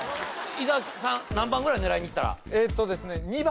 伊沢さん何番ぐらい狙いにいったらえっとですね